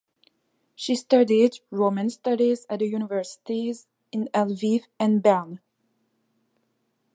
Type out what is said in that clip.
She studied Romance studies at the universities in Lviv and Bern.